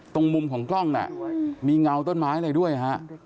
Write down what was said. ตรงมุมของกล้องน่ะมีเงาต้นไม้อะไรด้วยฮะ